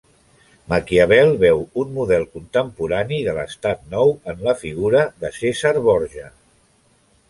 Maquiavel veu un model contemporani de l'estat nou en la figura de Cèsar Borja.